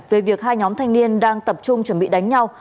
về việc hai nhóm thanh niên đang tập trung chuẩn bị đánh nhau